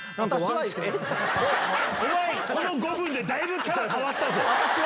お前、この５分でだいぶキャラ変わったぞ。